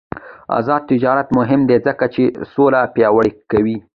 آزاد تجارت مهم دی ځکه چې سوله پیاوړې کوي.